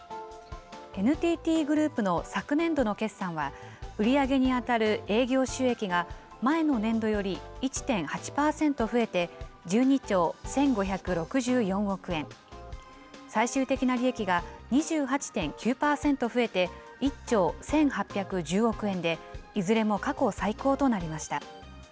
ＮＴＴグループの昨年度の決算は、売り上げに当たる営業収益が前の年度より１．８％増えて、１２兆１５６４億円、最終的な利益が２８．９％増えて、１兆１８１０億円で、いずれも過去最高となりました。